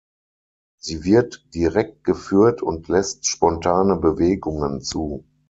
Sie wird direkt geführt und lässt spontane Bewegungen zu.